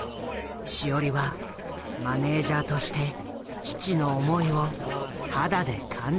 志織はマネージャーとして父の思いを肌で感じ始めていた。